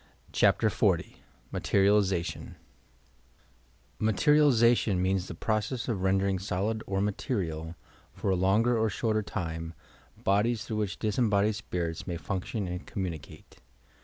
CHAPTER XL MATERIALIZATION Materialization means the process of rendenDg solid or material, for a longer or shorter time, bodies through which disembodied spirits may function and communi cate.